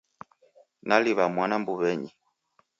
Naliw'a mwana mbuw'enyi